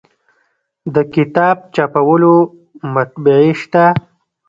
د کتاب چاپولو مطبعې شته